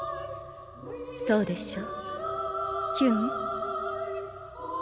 ・そうでしょう？ヒュン？